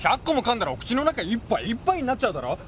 １００個もかんだらお口の中いっぱいいっぱいになっちゃうだろ！